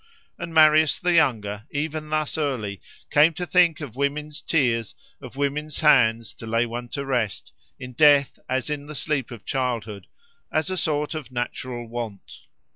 And Marius the younger, even thus early, came to think of women's tears, of women's hands to lay one to rest, in death as in the sleep of childhood, as a sort of natural want.